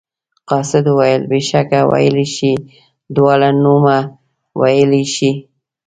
قاصد وویل بېشکه ویلی شي دواړه نومه ویلی شي.